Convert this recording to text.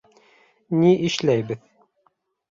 — Ни эшләйбеҙ?